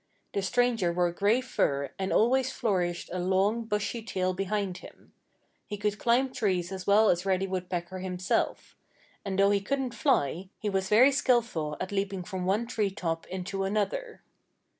The stranger wore gray fur and always flourished a long, bushy tail behind him. He could climb trees as well as Reddy Woodpecker himself. And though he couldn't fly, he was very skillful at leaping from one tree top into another.